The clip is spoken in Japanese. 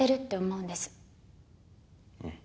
うん。